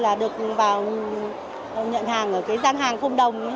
là được vào nhận hàng ở cái gian hàng không đồng